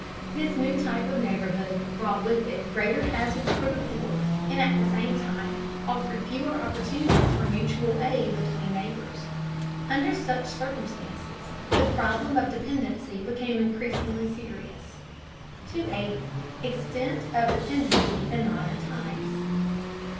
This new type of neighborhood brought with it greater hazards for the poor, and at the same time offered fewer opportunities for mutual aid between neighbors. Under such circumstances, the problem of dependency became increasingly serious. 280. EXTENT OF DEPENDENCY IN MODERN TIMES.